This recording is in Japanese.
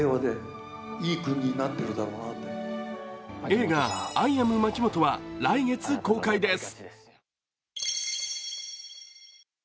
映画「アイ・アムまきもと」は来月公開です。